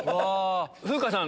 風花さん